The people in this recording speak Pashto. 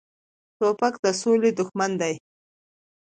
توپک د سولې دښمن دی.